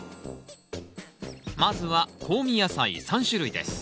まずは香味野菜３種類です